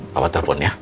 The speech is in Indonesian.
bawa telepon ya